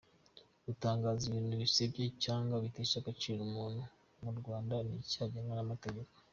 Gutangaza ibintu bisebya cyangwa bitesha agaciro umuntu mu Rwanda ni icyaha gihanwa n’ amategeko.